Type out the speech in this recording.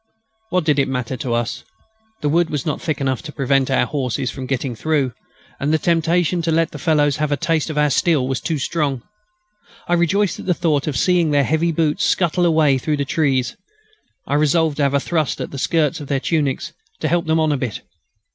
What did it matter to us? The wood was not thick enough to prevent our horses from getting through, and the temptation to let the fellows have a taste of our steel was too strong. I rejoiced at the thought of seeing their heavy boots scuttle away through the trees. I resolved to have a thrust at the skirts of their tunics, to help them on a bit.